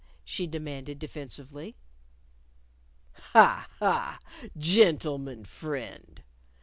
she demanded defensively. "Ha! ha! Gentleman friend!"